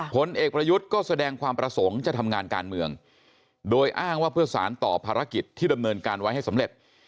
ผลเอกประยุทธ์ก็แสดงความประสงค์จะทำงานการเมืองโดยอ้างว่าเพื่อสารต่อภารกิจที่ดำเนินการไว้ให้สำเร็จ